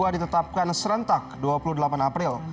ditetapkan serentak dua puluh delapan april